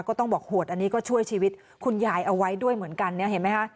ก็ต้องบอกโหดอันนี้ก็ช่วยชีวิตคุณยายเอาไว้ด้วยเหมือนกันเนี่ยเห็นไหมคะ